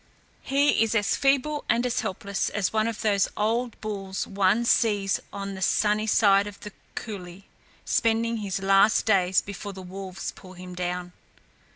He is as feeble and as helpless as one of those old bulls one sees on the sunny side of the coulée, spending his last days before the wolves pull him down."